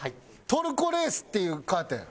トルコレースっていうカーテン。